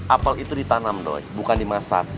apel itu ditanam dong bukan dimasak